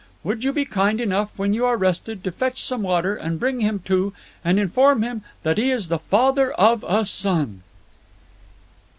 Would you be kind enough, when you are rested, to fetch some water and bring him to and inform him that he is the father of a son?"